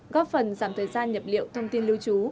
góp phần giảm thời gian nhập liệu thông tin lưu trú